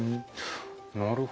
なるほど。